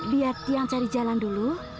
lihat tiang cari jalan dulu